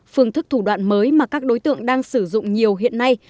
phương thức thủ đoạn mới mà các đối tượng đang sử dụng nhiều hiện nay